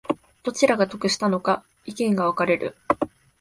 どちらが得したのか意見が分かれる